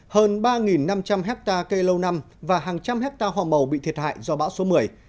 hơn ba năm trăm linh hectare cây lâu năm và hàng trăm hectare hoa màu bị thiệt hại do bão số một mươi